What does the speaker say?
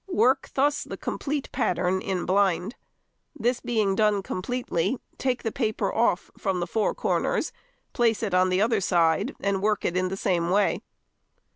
Work thus the complete pattern in blind. This being done completely, take the paper off from the four corners, place it on the other side, and work it in the same way.